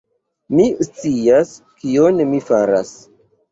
Mi scias, kion mi faras.